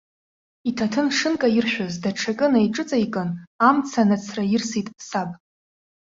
Иҭаҭын шынкаиршәыз даҽакы неиҿыҵаикын, амца нацраирсит саб.